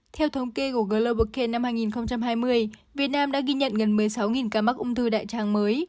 theo thống kê của global gan năm hai nghìn hai mươi việt nam đã ghi nhận gần một mươi sáu ca mắc ung thư đại tràng mới